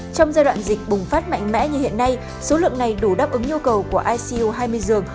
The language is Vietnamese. trong giai đoạn dịch bùng phát mạnh mẽ như hiện nay số lượng này đủ đáp ứng nhu cầu của ico hai mươi giường